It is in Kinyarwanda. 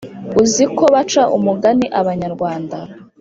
uzi ko baca umugani abanyarwanda